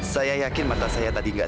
saya yakin mata saya tadi gak